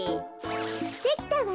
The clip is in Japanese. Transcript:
できたわ。